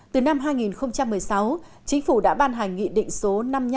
từ năm hai nghìn một mươi sáu chính phủ đã ban hành nghị định số